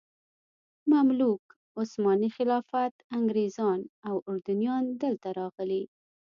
مملوک، عثماني خلافت، انګریزان او اردنیان دلته راغلي.